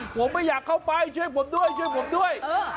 ผมไม่อยากเข้าไปช่วยผมด้วยช่วยผมด้วย